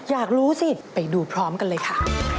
อยากรู้สิไปดูพร้อมกันเลยค่ะ